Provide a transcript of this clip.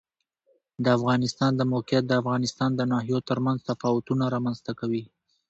د افغانستان د موقعیت د افغانستان د ناحیو ترمنځ تفاوتونه رامنځ ته کوي.